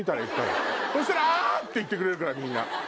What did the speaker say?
そしたらあ！って言ってくれるからみんな。